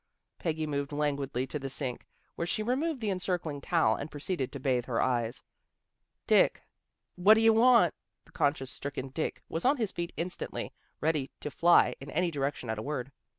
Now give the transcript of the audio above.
Peggy moved languidly to the sink, where she removed the encircling towel and proceeded to bathe her eyes. " Dick." " What d'ye want? " The conscience stricken Dick was on his feet instantly, ready to fly in any direction at a word.